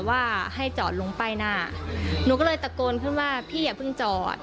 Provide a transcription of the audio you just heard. ว่าให้จอดลงป้ายหน้าหนูก็เลยตะโกนขึ้นว่าพี่อย่าเพิ่งจอด